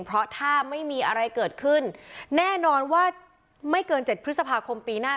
เพราะถ้าไม่มีอะไรเกิดขึ้นแน่นอนว่าไม่เกิน๗พฤษภาคมปีหน้า